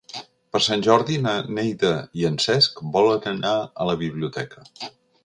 Per Sant Jordi na Neida i en Cesc volen anar a la biblioteca.